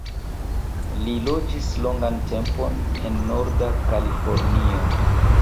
Li loĝis longan tempon en norda Kalifornio.